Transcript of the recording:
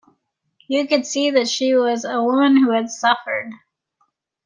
You could see that she was a woman who had suffered.